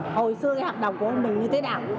hồi xưa hợp đồng của mình như thế nào